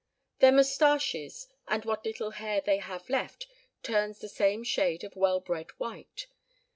Their moustaches and what little hair they have left turns the same shade of well bred white.